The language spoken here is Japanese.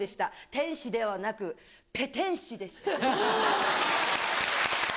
天使ではなく、ペテン師でした。